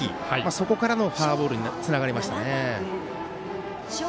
そこからのフォアボールにつながりましたね。